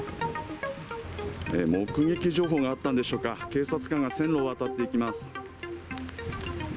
目撃情報があったんでしょうか、警察官が線路を渡っていきます。